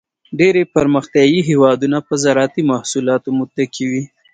ډېری پرمختیایي هېوادونه په زراعتی محصولاتو متکی وي.